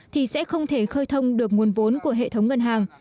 thì sẽ không thể khơi thông được nguồn vốn của hệ thống ngân hàng